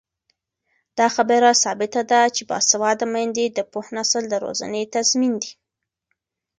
دا خبره ثابته ده چې باسواده میندې د پوه نسل د روزنې تضمین دي.